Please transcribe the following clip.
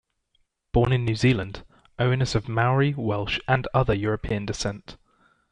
Born in New Zealand, Owen is of Maori, Welsh, and other European descent.